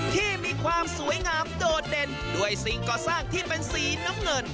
ที่มีความสวยงามโดดเด่นด้วยสิ่งก่อสร้างที่เป็นสีน้ำเงิน